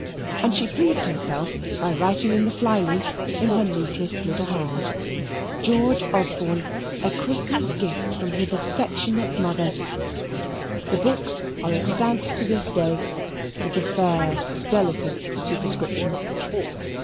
And she pleased herself by writing in the fly leaf in her neatest little hand, "George Osborne, A Christmas gift from his affectionate mother." The books are extant to this day, with the fair delicate superscription.